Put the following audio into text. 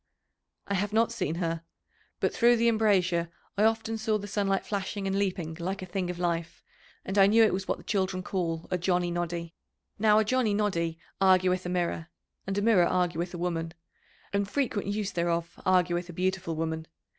"I have not seen her. But through the embrasure I often saw the sunlight flashing and leaping like a thing of life, and I knew it was what the children call a 'Johnny Noddy.' Now a 'Johnny Noddy' argueth a mirror, and a mirror argueth a woman, and frequent use thereof argueth a beautiful woman.